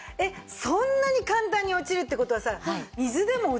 そんなに簡単に落ちるって事はさ。